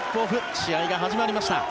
試合が始まりました。